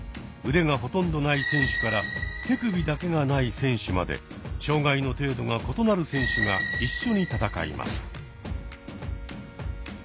腕がほとんどない選手から手首だけがない選手まで障害の程度が異なる選手が一緒に戦います。